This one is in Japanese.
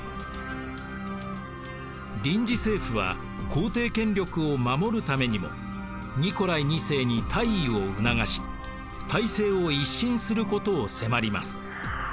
臨時政府は皇帝権力を守るためにもニコライ２世に退位を促し体制を一新することを迫ります。